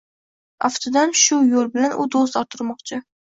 aftidan u shu yo‘l bilan u do‘st orttirmoqchi